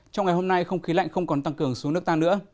trong ngày hôm nay không khí lạnh không còn tăng cường xuống nước ta nữa